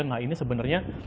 nah ini sebenarnya